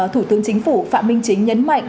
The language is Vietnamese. thủ tướng chính phủ phạm minh chính nhấn mạnh